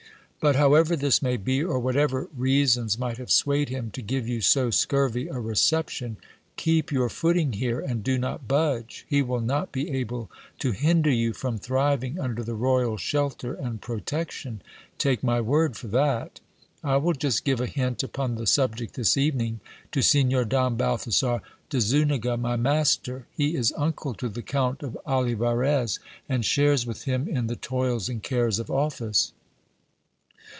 But however this may be, or whatever reasons might have swayed him to give you so scurvy a reception, keep your footing here, and do not budge ; he will not be able to hinder you from thriving under the royal shelter and protection ; take my word for that ! I will just give a hint upon the subject this evening to Sig nor Don Balthasar de Zuniga, my master ; he is uncle to the Count of Olivarez, and shares with him in the toils and cares of office.